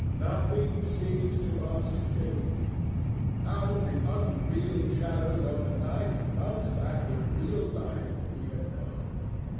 Nothing seems to us changed. Out of the unreal shadows of the night comes back the real life that we had known.